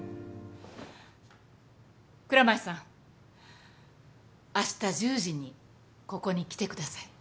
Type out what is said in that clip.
蔵前さんあした１０時にここに来てください。